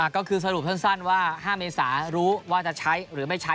ก็คือสรุปสั้นว่า๕เมษารู้ว่าจะใช้หรือไม่ใช้